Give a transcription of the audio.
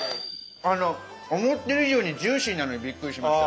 あの思ってる以上にジューシーなのにびっくりしました。